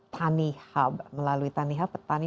tanihub melalui tanihub petani